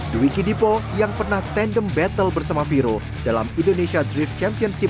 dwi kidipo yang pernah tandem battle bersama viro dalam indonesia drift championship dua ribu dua puluh tiga